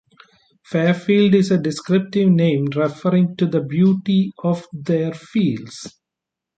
Fairfield is a descriptive name referring to the beauty of their fields.